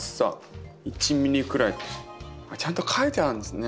ちゃんと書いてあるんですね。